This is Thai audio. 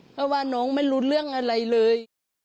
เพราะว่าน้องไม่รู้เรื่องอะไรเลย